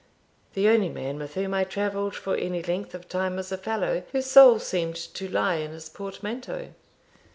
"The only man with whom I travelled for any length of time was a fellow whose soul seemed to lie in his portmanteau."